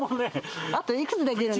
あといくつできるの？